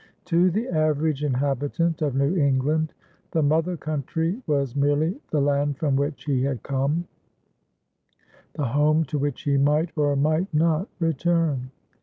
To the average inhabitant of New England, the mother country was merely the land from which he had come, the home to which he might or might not return.